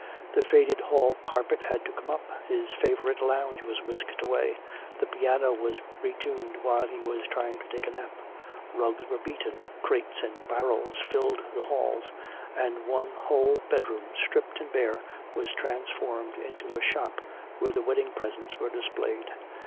The faded hall carpet had to come up, his favorite lounge was whisked away, the piano was re tuned while he was trying to take a nap, rugs were beaten, crates and barrels filled the halls, and one whole bedroom stripped and bare was transformed into a shop where the wedding presents were displayed.